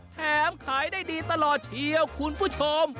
แถมขายได้ดีตลอดเชียวคุณผู้ชม